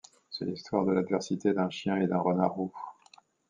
C'est l'histoire de l'adversité d'un chien et d'un renard roux.